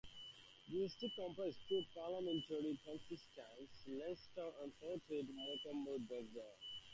The district comprises two parliamentary constituencies: Lancaster and Fleetwood, and Morecambe and Lunesdale.